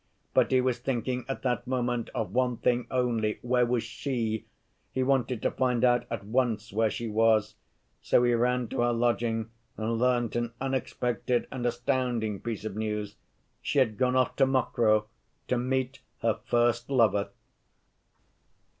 But he was thinking at that moment of one thing only—where was she? He wanted to find out at once where she was, so he ran to her lodging and learnt an unexpected and astounding piece of news—she had gone off to Mokroe to meet her first lover."